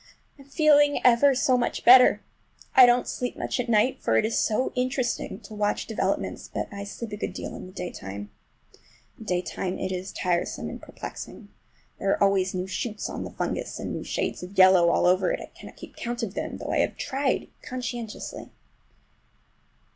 I'm feeling ever so much better! I don't sleep much at night, for it is so interesting to watch developments; but I sleep a good deal in the daytime. In the daytime it is tiresome and perplexing. There are always new shoots on the fungus, and new shades of yellow all over it. I cannot keep count of them, though I have tried conscientiously.